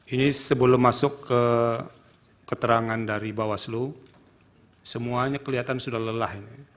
ini sebelum masuk ke keterangan dari bawaslu semuanya kelihatan sudah lelah ini